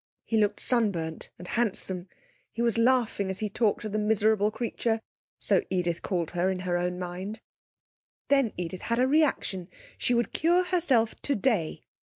He looked sunburnt and handsome. He was laughing as he talked to the miserable creature (so Edith called her in her own mind). Then Edith had a reaction. She would cure herself today!